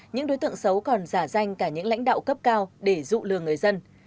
những đối tượng xấu còn giả danh cả những lãnh đạo cấp cao để dụ lừa người dân